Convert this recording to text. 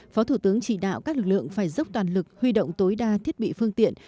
phó thủ tướng chỉ đạo các lực lượng phải dốc toàn lực huy động tối đa thiết bị phương tiện